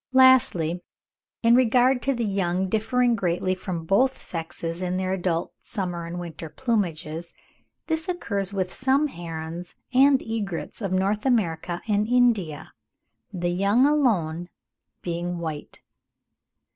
Lastly, in regard to the young differing greatly from both sexes in their adult summer and winter plumages, this occurs with some herons and egrets of North America and India,—the young alone being white.